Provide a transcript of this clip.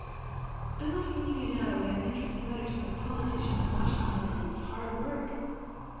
I must leave you now to write an interesting letter to my politician in Washington, and it's hard work.